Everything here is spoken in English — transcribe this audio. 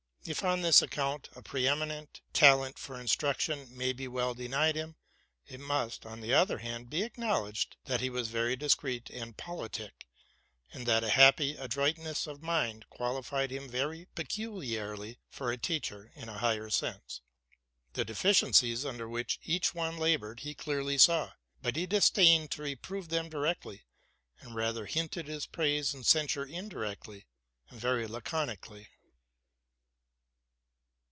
If, on this account, a pre eminent talent for instruc tion may be well denied him, it must, on the other hand, be acknowledged that he was very discreet and politic, and that a happy adroitness of mind qualified him very peculiarly for a teacher in a higher sense. The deficiencies under which each one labored he cle sarly saw ; but he disdained to reprove them directly, and rather hinted bis praise and censure in directly and very laconically.